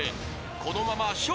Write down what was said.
［このまま笑